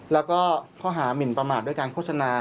แล้วก็ข้อหามินประมาทด้วยการโฆษณา